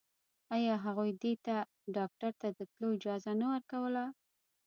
آيا هغوی دې ته ډاکتر ته د تلو اجازه نه ورکوله.